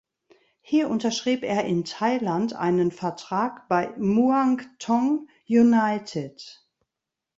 Hier unterschrieb er in Thailand einen Vertrag bei Muangthong United.